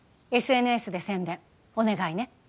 ＳＮＳで宣伝お願いね・